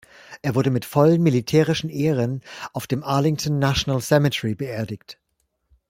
Er wurde mit vollen militärischen Ehren auf dem Arlington National Cemetery beerdigt.